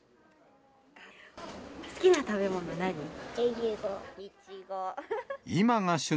好きな食べ物、何？